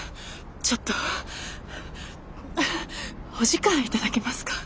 ちょっとお時間頂けますか？